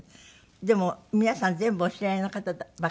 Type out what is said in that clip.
でも皆さん全部お知り合いの方ばっかりだから。